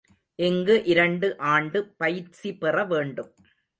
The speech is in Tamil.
இங்கு இரண்டு ஆண்டு பயிற்சிபெற வேண்டும்.